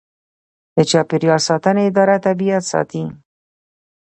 د چاپیریال ساتنې اداره طبیعت ساتي